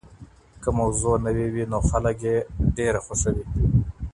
که موضوع نوي وي نو خلګ یې ډېر خوښوي.